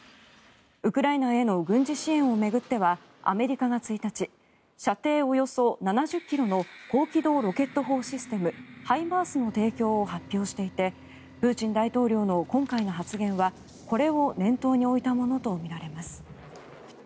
ウクライナへの軍事支援を巡ってはアメリカが１日射程およそ７０ｋｍの高機動ロケット砲システムＨＩＭＡＲＳの提供を発表していてプーチン大統領の今回の発言はこれを念頭に置いたものとみられます。